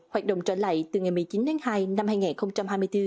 hoạt động trở lại từ ngày một mươi chín tháng hai năm hai nghìn hai mươi bốn